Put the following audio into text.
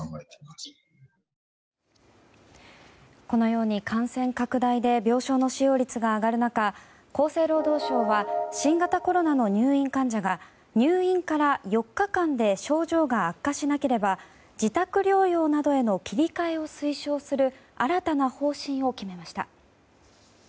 このように感染拡大で病床の使用率が上がる中厚生労働省は新型コロナの入院患者が入院から４日間で症状が悪化しなければ自宅療養などへの切り替えを推奨する新たな方針を決めました。